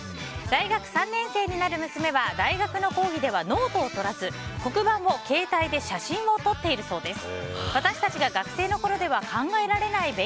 大学３年生になる娘は大学の講義ではノートを取らず黒板も携帯で写真を撮っているそうです。